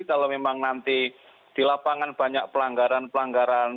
kalau memang nanti di lapangan banyak pelanggaran pelanggaran